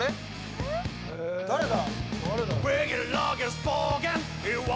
誰だ？